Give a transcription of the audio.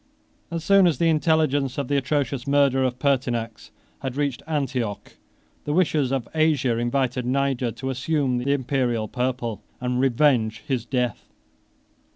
22 As soon as the intelligence of the atrocious murder of Pertinax had reached Antioch, the wishes of Asia invited Niger to assume the Imperial purple and revenge his death.